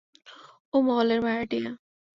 ও মহলের ভাড়াটিয়া।